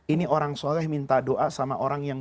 ini orang soleh minta doa sama orang yang